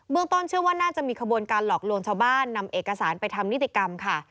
ต้นเชื่อว่าน่าจะมีขบวนการหลอกลวงชาวบ้านนำเอกสารไปทำนิติกรรมค่ะ